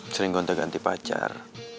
sering gonteng ganti pacar